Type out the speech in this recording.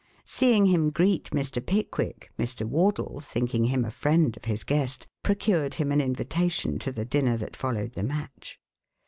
Seeing him greet Mr. Pickwick, Mr. Wardle, thinking him a friend of his guest, procured him an invitation to the dinner that followed the match.